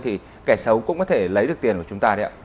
thì kẻ xấu cũng có thể lấy được tiền của chúng ta đấy ạ